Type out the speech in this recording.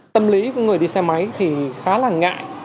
tâm lý của người đi xe máy thì khá là ngại